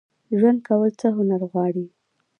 ژوند کول څه هنر غواړي؟